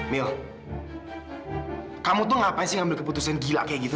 mil kamu tuh ngapain sih ngambil keputusan gila kayak gitu